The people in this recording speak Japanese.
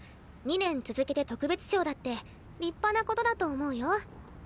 ２年続けて特別賞だって立派なことだと思うよ？